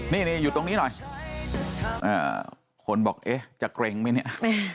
นี่อยู่ตรงนี้หน่อยคนบอกเอ๊ะจะเกร็งไหมเนี่ย